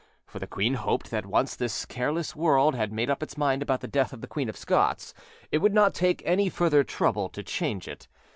For the queen hoped that once this careless world had made up its mind about the death of the Queen of Scots, it would not take any further trouble to change it.